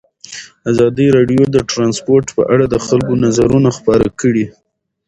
ازادي راډیو د ترانسپورټ په اړه د خلکو نظرونه خپاره کړي.